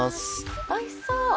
おいしそう！